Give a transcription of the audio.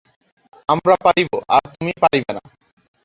আমরা পারিব, আর তুমি পারিবে না!